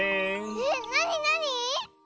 えっなになに？